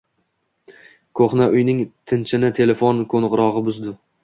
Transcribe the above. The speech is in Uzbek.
Ko`hna uyning tinchini telefon ko`ng`irog`i buzdi